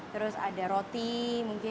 terus ada roti mungkin